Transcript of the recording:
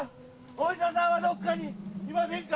お医者さんはどっかにいませんか？